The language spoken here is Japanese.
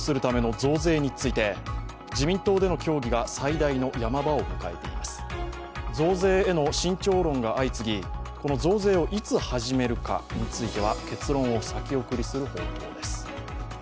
増税への慎重論が相次ぎ、この増税をいつ始めるかについては結論を先送りする方向です。